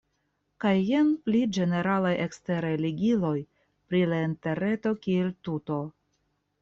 Kaj jen pli ĝeneralaj eksteraj ligiloj pri la interreto kiel tuto.